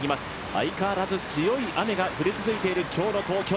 相変わらず強い雨が降り続いている今日の東京。